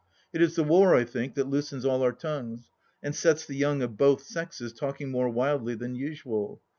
... It is the war, I think, that loosens all our tongues, and sets the young of iDoth sexes talking more wildly than usual.